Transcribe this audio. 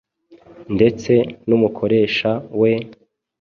ndetse n'umukoresha we,